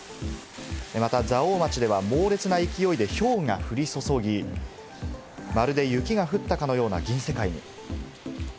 また蔵王町では猛烈な勢いで、ひょうが降り注ぎ、まるで雪が降ったかのような銀世界に。